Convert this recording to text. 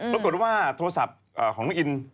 ปรากฏว่าโทรศัพท์ของน้องอิน